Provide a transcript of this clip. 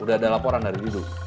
udah ada laporan dari judul